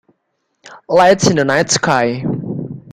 Lights in the night sky.